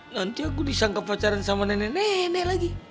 nanti aku disangkap pacaran sama nenek nenek lagi